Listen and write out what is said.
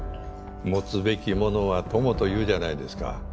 持つべきものは友と言うじゃないですか。